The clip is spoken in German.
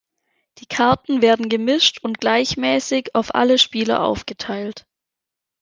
Die Karten werden gemischt und gleichmäßig auf alle Spieler aufgeteilt.